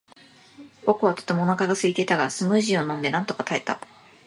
僕はとてもお腹がすいていたが、スムージーを飲んでなんとか耐えた。